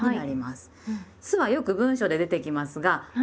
「す」はよく文章で出てきますが「です」